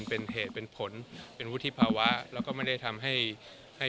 เป็นผลเป็นวุฒิภาวะและก็ไม่ได้ทำให้